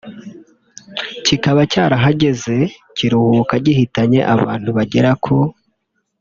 kikaba cyarahagaze kuruka gihitanye abantu bagera ku